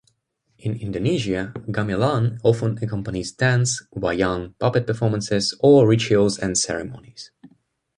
In Indonesia, gamelan often accompanies dance, "wayang" puppet performances, or rituals and ceremonies.